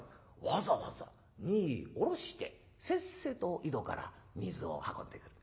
わざわざ荷下ろしてせっせと井戸から水を運んでくる。